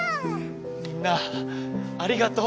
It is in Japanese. みんなありがとう！